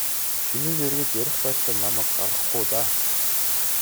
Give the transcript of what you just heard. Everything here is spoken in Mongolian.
Чиний дэргэд ярих байтлаа намайг гаргах уу даа.